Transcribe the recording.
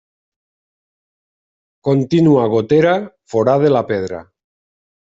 Contínua gotera forada la pedra.